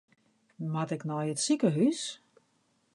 Moat ik nei it sikehús?